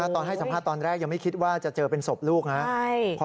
ตอนให้สัมภาษณ์ตอนแรกยังไม่คิดว่าจะเจอเป็นศพลูกนะครับ